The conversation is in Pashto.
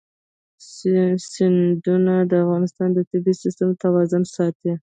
سیندونه د افغانستان د طبعي سیسټم توازن ساتي.